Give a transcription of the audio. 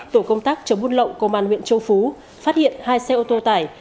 tổ công tác chống buôn lậu công an huyện châu phú phát hiện hai xe ô tô tải